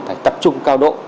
phải tập trung cao độ